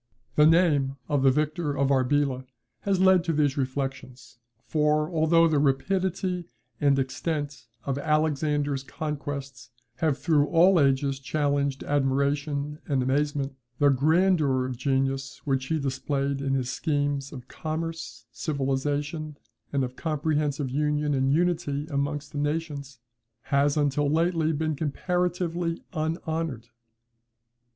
The name of the victor of Arbela has led to these reflections; for, although the rapidity and extent of Alexander's conquests have through all ages challenged admiration and amazement, the grandeur of genius which he displayed in his schemes of commerce, civilization, and of comprehensive union and unity amongst nations, has, until lately, been comparatively unhonoured.